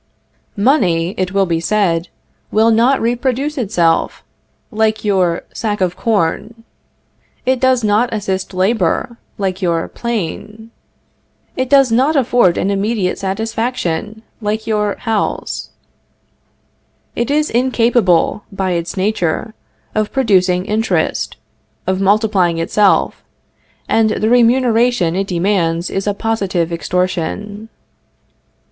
Money, it will be said, will not reproduce itself, like your sack of corn; it does not assist labor, like your plane; it does not afford an immediate satisfaction, like your house. It is incapable, by its nature, of producing interest, of multiplying itself, and the remuneration it demands is a positive extortion.